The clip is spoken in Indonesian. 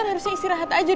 terima kasih sektor